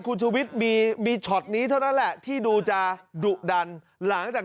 คุณชูวิทย์มีช็อตนี้เท่านั้นแหละที่ดูจะดุดันหลังจาก